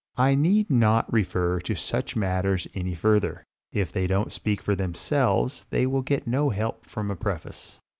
I need not refer to such matters any further. If they don't speak for themselves they will get no help from a preface.